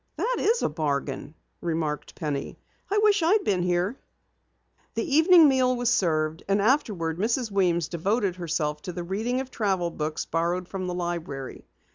"That is a bargain," remarked Penny. "I wish I had been here." The evening meal was served, and afterwards Mrs. Weems devoted herself to the reading of travel books borrowed from the library.